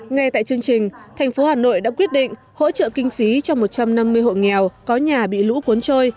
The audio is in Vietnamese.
ngay tại chương trình thành phố hà nội đã quyết định hỗ trợ kinh phí cho một trăm năm mươi hộ nghèo có nhà bị lũ cuốn trôi